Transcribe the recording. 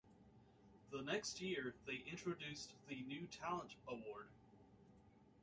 The next year, they introduced the new talent award.